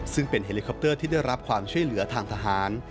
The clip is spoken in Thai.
ซึ่งเป็นเฮลิคอปเตอร์ที่ได้รับความช่วยเหลือทางทหาร